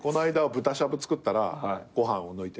豚しゃぶ作ったらご飯を抜いて。